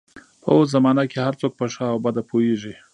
په اوس زمانه کې هر څوک په ښه او بده پوهېږي.